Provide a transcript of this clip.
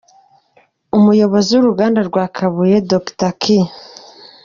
Umuyobozi w’Uruganda rwa Kabuye, Dr K.